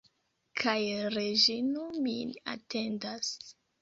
Kaj Reĝino min atendas.